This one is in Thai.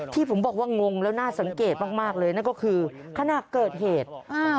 ที่ผมบอกว่างงแล้วน่าสังเกตมากเลยนั่นก็คือขณะเกิดเหตุ